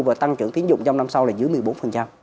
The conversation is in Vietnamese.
và tăng trưởng tiến dụng trong năm sau là dưới một mươi bốn